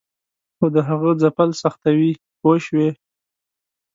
خو د هغه ځپل سختوي پوه شوې!.